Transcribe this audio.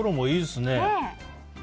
いいですね。